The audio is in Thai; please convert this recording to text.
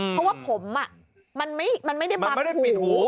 เพราะว่าผมอ่ะมันไม่ได้บังหู